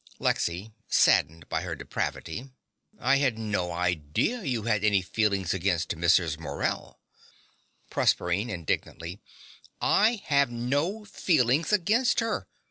LEXY (saddened by her depravity). I had no idea you had any feeling against Mrs. Morell. PROSERPINE (indignantly). I have no feeling against her.